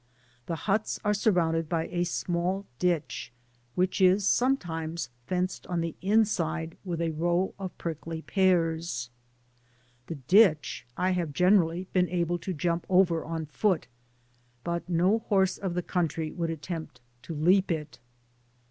The huts are • surrounded by a small ditch, which is sometimes fenced on the inside with a row of prickly pears. The ditch I have generally been able to jump over on foot, but no horse of the country would attempt to leap it.